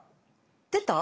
出た？